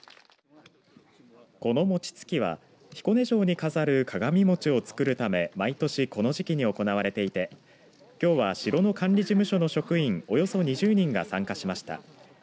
この餅つきは彦根城に飾る鏡餅を作るため毎年この時期に行われていてきょうは城の管理事務所の職員およそ２０人が参加しました。